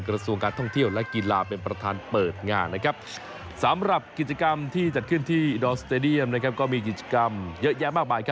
กระทรวงการท่องเที่ยวและกีฬาเป็นประธานเปิดงานสำหรับกิจกรรมที่จัดขึ้นที่ดอลสเตดียมก็มีกิจกรรมเยอะแยะมากมาย